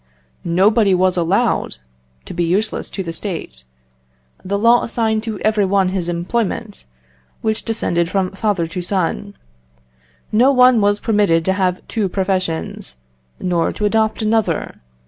Nobody was allowed to be useless to the State; the law assigned to every one his employment, which descended from father to son. No one was permitted to have two professions, nor to adopt another....